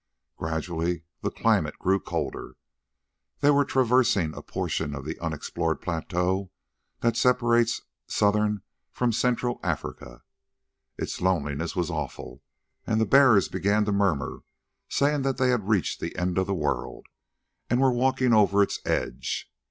Gradually the climate grew colder: they were traversing a portion of the unexplored plateau that separates southern from central Africa. Its loneliness was awful, and the bearers began to murmur, saying that they had reached the end of the world, and were walking over its edge.